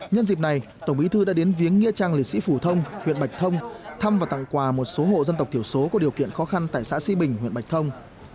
nhân dịp này tổng bí thư đã đến viếng nghĩa trang liệt sĩ phủ thông huyện bạch thông thăm và tặng quà một số hộ dân tộc thiểu số có điều kiện khó khăn tại xã xi bình huyện bạch thông